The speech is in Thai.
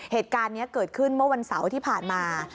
เหตุการณ์นี้เกิดขึ้นเมื่อวันเสาร์ที่ผ่านมา